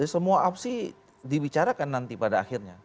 semua opsi dibicarakan nanti pada akhirnya